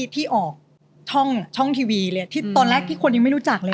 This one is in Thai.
ที่ออกช่องทีวีอะไรอย่างตอนแรกคนที่ยังไม่ได้รู้จักเลย